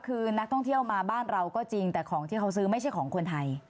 คือนักท่องเที่ยวมาบ้านเราก็จริงแต่ของที่เขาซื้อไม่ใช่ของคนไทย